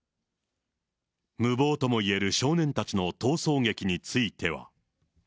無謀ともいえる少年たちの逃走劇については。